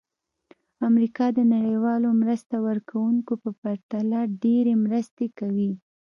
امریکا د نړیوالو مرسته ورکوونکو په پرتله ډېرې مرستې کوي.